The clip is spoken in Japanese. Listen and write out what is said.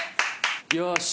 よし！